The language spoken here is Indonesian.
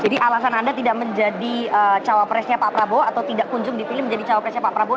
jadi alasan anda tidak menjadi cawapresnya pak prabowo atau tidak kunjung di film menjadi cawapresnya pak prabowo